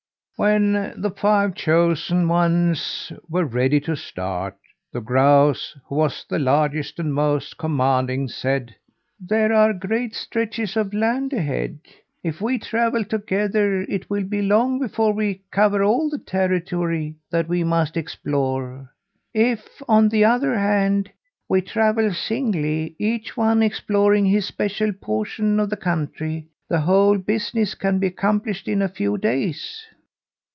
"When the five chosen ones were ready to start, the grouse, who was the largest and most commanding, said: "'There are great stretches of land ahead. If we travel together, it will be long before we cover all the territory that we must explore. If, on the other hand, we travel singly each one exploring his special portion of the country the whole business can be accomplished in a few days.'